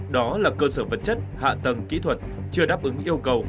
đó là cơ sở vật chất hạ tầng kỹ thuật chưa đáp ứng yêu cầu